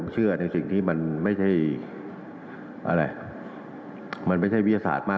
จะไม่มีอะไรใส่คำสอบแล้วดูอะไร